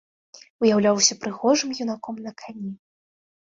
Уяўляўся прыгожым юнаком на кані.